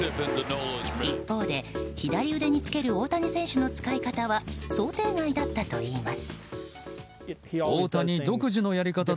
一方で、左腕につける大谷選手の使い方は想定外だったといいます。